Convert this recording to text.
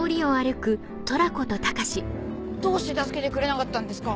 どうして助けてくれなかったんですか？